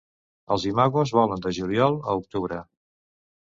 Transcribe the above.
Els imagos volen de juliol a octubre.